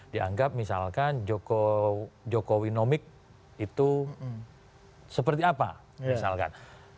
dianggap misalkan jokowi nomik itu seperti apa misalkan